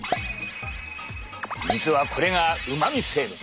実はこれがうまみ成分。